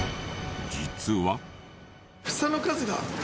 実は。